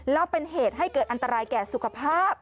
แล้วเป็นเหตุให้เกิดอันตรายแก่สุขภาพ